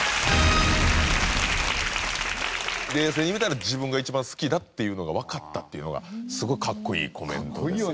冷静に見たら自分が一番好きだっていうのがわかったっていうのがすごいかっこいいコメントですよ。